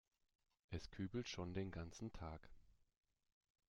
Es kübelt schon den ganzen Tag.